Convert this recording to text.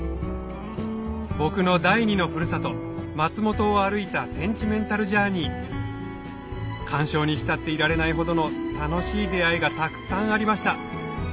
僕の第二のふるさと松本を歩いたセンチメンタルジャーニー感傷に浸っていられないほどの楽しい出あいがたくさんありました